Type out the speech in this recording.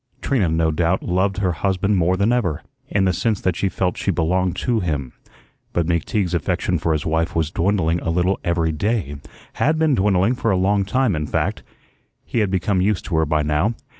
Trina, no doubt, loved her husband more than ever, in the sense that she felt she belonged to him. But McTeague's affection for his wife was dwindling a little every day HAD been dwindling for a long time, in fact. He had become used to her by now.